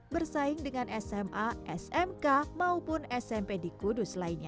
bersaing dengan sma smk maupun smp di kudus lainnya